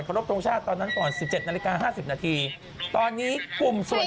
ครบร่วมธรรมชาติตอนนั้นก่อน๑๗นาฬิกา๕๐นาทีตอนนี้กลุ่มส่วนใหญ่